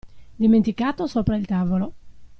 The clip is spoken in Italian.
Dimenticato sopra il tavolo.